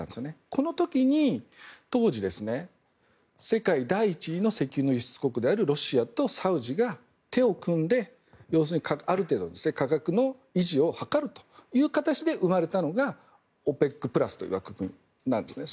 この時に当時、世界第１位の石油の輸出国であるロシアとサウジが手を組んで、ある程度価格の維持を図るという形で生まれたのがＯＰＥＣプラスという枠組みなんですね。